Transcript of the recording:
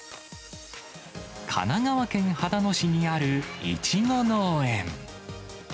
神奈川県秦野市にあるイチゴ農園。